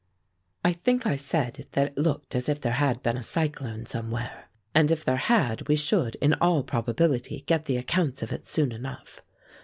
I think I said that it looked as if there had been a cyclone somewhere, and if there had we should in all probability get the accounts of it soon enough.